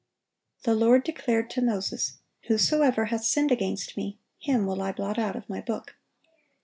The Lord declared to Moses, "Whosoever hath sinned against Me, him will I blot out of My book."